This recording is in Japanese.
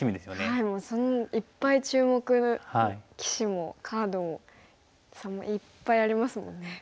はいもういっぱい注目棋士もカードもいっぱいありますもんね。